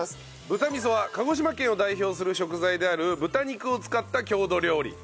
豚味噌は鹿児島県を代表する食材である豚肉を使った郷土料理。